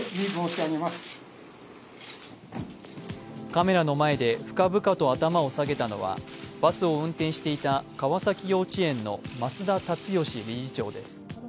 カメラの前で深々と頭を下げたのはバスを運転していた川崎幼稚園の増田立義理事長です。